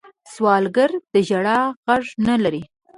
سوالګر د ژړا غږ نه لري